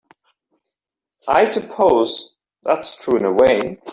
I suppose that's true in a way.